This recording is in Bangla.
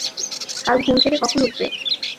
কাল ঘুম থেকে কখন উঠবে?